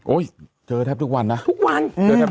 เจอแทบทุกวันนะทุกวัน